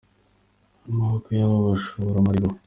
mu maboko y’aba bashoramari bo.